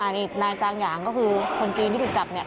นี่นายจางหยางก็คือคนจีนที่ถูกจับเนี่ย